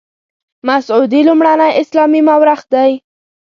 مسعودي لومړنی اسلامي مورخ دی.